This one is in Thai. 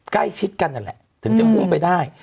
ใกล้ชิดกันนั่นแหละถึงจะอุ้มไปได้